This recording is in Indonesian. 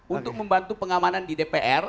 untuk membantu pengamanan di dpr